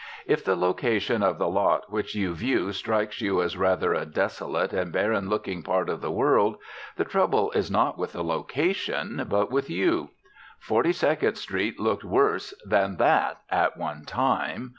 If the location of the lot which you view strikes you as rather a desolate and barren looking part of the world the trouble is not with the location but with you. Forty second Street looked worse than that at one time.